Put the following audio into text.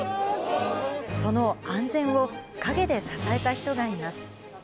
その安全を、陰で支えた人がいます。